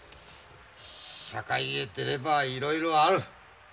社会へ出ればいろいろある。